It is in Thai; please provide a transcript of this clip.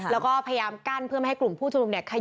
แล้วก็พยายามกั้นเพื่อไม่ให้กลุ่มผู้ชุมนุมเนี่ย